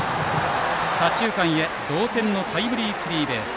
左中間へ同点のタイムリースリーベース。